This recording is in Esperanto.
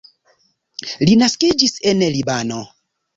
Li naskiĝis en Libano.